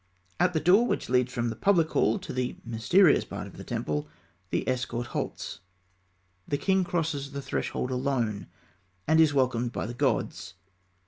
At the door which leads from the public hall to the mysterious part of the temple, the escort halts. The king crosses the threshold alone, and is welcomed by the gods.